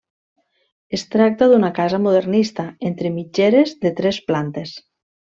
Es tracta d'una casa modernista, entre mitgeres, de tres plantes.